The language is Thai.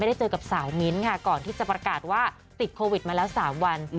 ได้เจอกับสาวมิ้นท์ค่ะก่อนที่จะประกาศว่าติดโควิดมาแล้ว๓วัน